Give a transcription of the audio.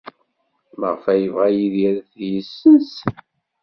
Maɣef ay yebɣa Yidir ad t-yessenz?